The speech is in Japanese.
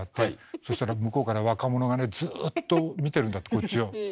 そしたら向こうから若者がねずっと見てるんだってこっちを。